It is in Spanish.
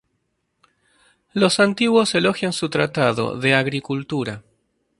Los antiguos elogian su tratado "De agricultura".